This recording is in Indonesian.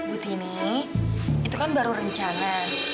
bu tini itu kan baru rencana